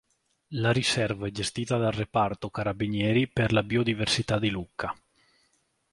La riserva è gestita dal Reparto Carabinieri per la Biodiversità di Lucca.